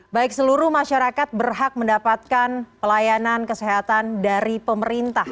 baik seluruh masyarakat berhak mendapatkan pelayanan kesehatan dari pemerintah